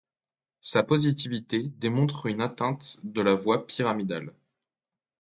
Sa positivité démontre une atteinte de la voie pyramidale.